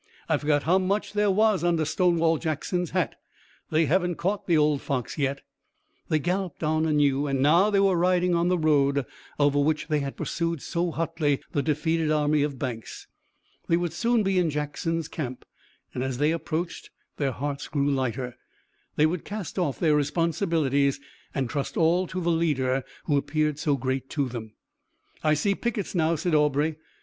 I forgot how much there was under Stonewall Jackson's hat! They haven't caught the old fox yet!" They galloped on anew, and now they were riding on the road, over which they had pursued so hotly the defeated army of Banks. They would soon be in Jackson's camp, and as they approached their hearts grew lighter. They would cast off their responsibilities and trust all to the leader who appeared so great to them. "I see pickets now," said Aubrey.